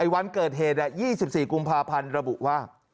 วันเกิดเหตุ๒๔กุมภาพันธ์ระบุว่า